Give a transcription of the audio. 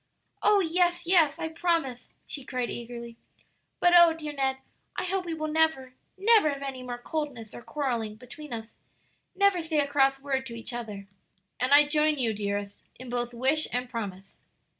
"Oh, yes, yes, I promise!" she cried eagerly; "but, oh, dear Ned, I hope we will never, never have any more coldness or quarrelling between us, never say a cross word to each other." "And I join you, dearest, in both wish and promise."